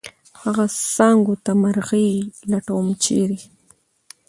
هغه څانګو ته مرغي لټوم ، چېرې؟